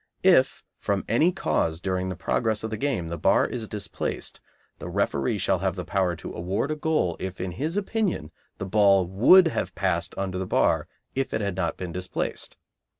If from any cause during the progress of the game the bar is displaced, the referee shall have power to award a goal if in his opinion the ball would have passed under the bar if it had not been displaced.